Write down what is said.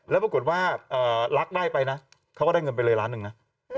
แล้วปรากฏว่ารักได้ไปนะเขาก็ได้เงินไปเลยล้านหนึ่งนะ